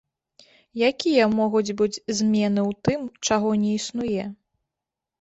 Якія могуць быць змены ў тым, чаго не існуе?